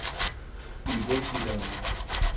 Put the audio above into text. Ibotirama